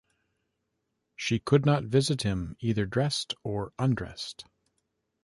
She could not visit him either dressed or undressed.